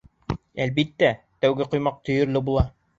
Әлбиттә, тәүге ҡоймаҡ төйөрлө була.